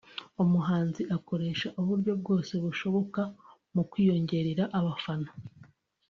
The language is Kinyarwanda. umuhanzi akoresha uburyo bwose bushoboka mu kwiyongerera abafana